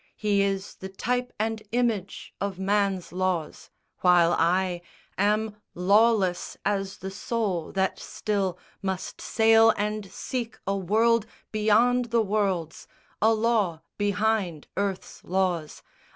He is the type and image of man's laws; While I am lawless as the soul that still Must sail and seek a world beyond the worlds, A law behind earth's laws.